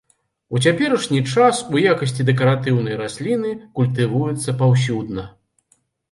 У цяперашні час у якасці дэкаратыўнай расліны культывуецца паўсюдна.